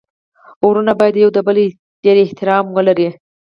ورونه باید يو د بل ډير احترام ولري.